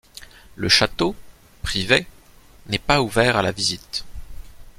Le château, privé, n'est pas ouvert à la visite.